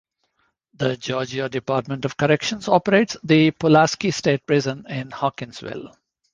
The Georgia Department of Corrections operates the Pulaski State Prison in Hawkinsville.